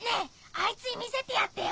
あいつに見せてやってよ。